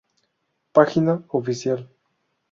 Página oficial